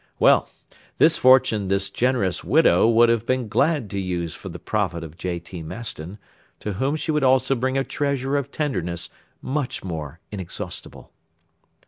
Well, this fortune this generous widow would have been glad to use for the profit of J. T. Maston, to whom she would also bring a treasure of tenderness much more inexhaustible.